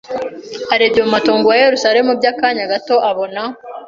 Arebcye mu matongo ya Yerusalemu by'akanya gato abona